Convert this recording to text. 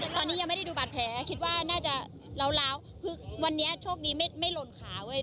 ตอนนี้ยังไม่ได้ดูบาดแผลคิดว่าน่าจะล้าวคือวันนี้โชคดีไม่หล่นขาเว้ย